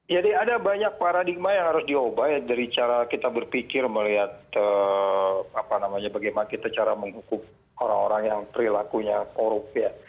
jadi ada banyak paradigma yang harus diubah dari cara kita berpikir melihat bagaimana kita cara menghukum orang orang yang perilakunya korup